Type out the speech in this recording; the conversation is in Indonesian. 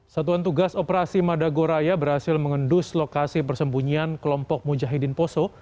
satuan tugas operasi madagoraya berhasil mengendus lokasi persembunyian kelompok mujahidin poso